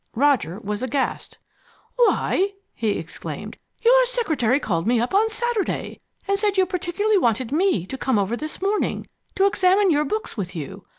Roger was aghast. "Why," he exclaimed, "your secretary called me up on Saturday and said you particularly wanted me to come over this morning, to examine your books with you.